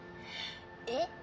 「えっ？